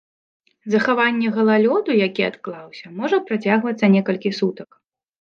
Захаванне галалёду, які адклаўся, можа працягвацца некалькі сутак.